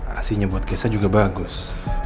asinya buat kesa juga bagus